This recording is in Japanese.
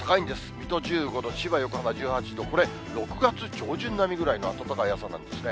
水戸１５度、千葉、横浜１８度、これ、６月上旬並みぐらいの暖かい朝なんですね。